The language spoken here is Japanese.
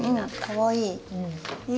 かわいい。